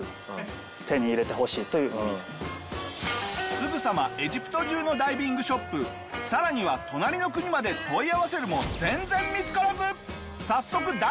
すぐさまエジプト中のダイビングショップさらには隣の国まで問い合わせるも全然見つからず早速大ピンチ！